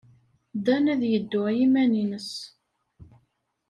Dan ad yeddu i yiman-nnes.